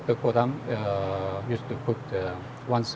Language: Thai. ก็มีความรู้สึกจริง